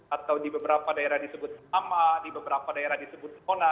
atau di beberapa daerah disebut sama di beberapa daerah disebut mona